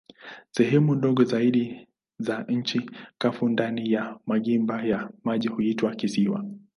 Sehemu ndogo zaidi za nchi kavu ndani ya magimba ya maji huitwa kisiwa.